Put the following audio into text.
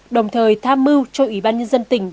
đồng thời tham mưu cho ủy ban nhân dân tỉnh